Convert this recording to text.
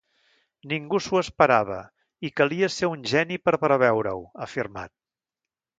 Ningú s’ho esperava’ i ‘calia ser un geni’ per preveure-ho, ha afirmat.